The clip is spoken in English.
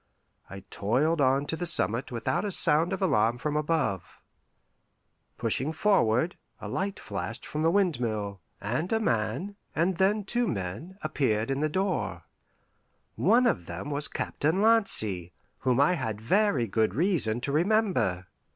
I toiled on to the summit without a sound of alarm from above. Pushing forward, a light flashed from the windmill, and a man, and then two men, appeared in the open door. One of them was Captain Lancy, whom I had very good reason to remember.